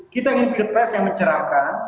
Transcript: kita ingin pilpres yang mencerahkan